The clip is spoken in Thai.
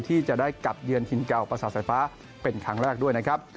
ที่จะได้กลับเยือนถิ่นเก่าประสาทไฟฟ้าเป็นครั้งแรกด้วยนะครับ